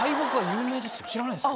知らないんですか？